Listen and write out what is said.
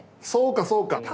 そうかそうか。